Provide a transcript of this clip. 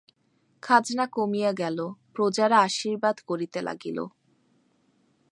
খাজনা কমিয়া গেল, প্রজারা আশীর্বাদ করিতে লাগিল।